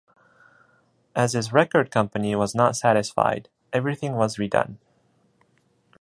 As his record company was not satisfied, everything was redone.